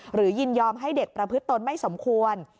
ยินยอมให้เด็กประพฤติตนไม่สมควร